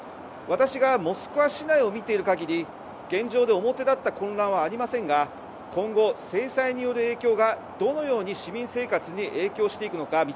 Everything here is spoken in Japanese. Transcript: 私がモスクワ市内を見ている限り現状で表立った混乱はありませんが今後、制裁による影響がどのように市民生活に影響していくのか